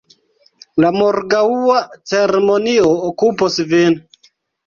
La morgaŭa ceremonio okupos vin.